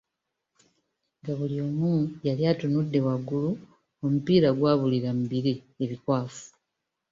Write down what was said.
Nga buli omu yali atunudde waggulu, omupiira gwabuulira mu bire ebikwafu.